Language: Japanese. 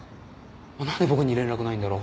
何で僕に連絡ないんだろう？